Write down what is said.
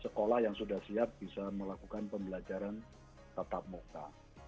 sekolah yang sudah siap bisa melakukan pembelajaran tatap muka